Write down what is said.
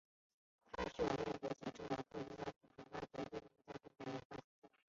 它是由美国及中国科学家组成的挖掘队伍在中国发现的。